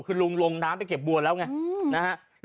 คือลุงลงน้ำไปเก็บบัวแล้วไงนะฮะ